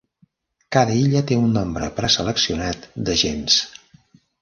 Cada illa té un nombre preseleccionat d'agents.